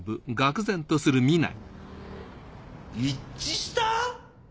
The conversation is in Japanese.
一致した！？